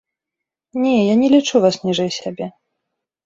Не, я не лічу вас ніжэй сябе.